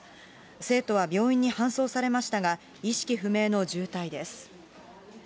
生徒は病院に搬送されましたが、意識不明の重体です。